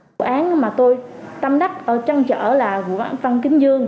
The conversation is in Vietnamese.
vụ án mà tôi tâm đắc trăn trở là vụ án văn kính dương